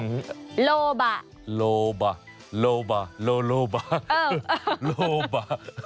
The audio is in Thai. โลบะโลบะโลบะโลโลบะโลบะ